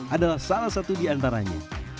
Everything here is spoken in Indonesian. adalah salah satu di antaranya